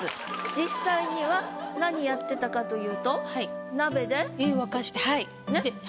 実際には何やってたかというとねっ。